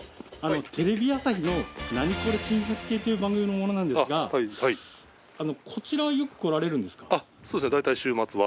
テレビ朝日の『ナニコレ珍百景』という番組の者なんですがこちらはよく来られるんですか？